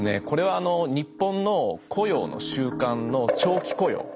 これは日本の雇用の習慣の長期雇用